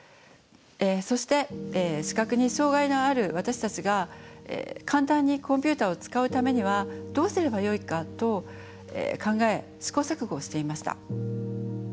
そして視覚に障害のある私たちが簡単にコンピューターを使うためにはどうすればよいかと考え試行錯誤をしていました。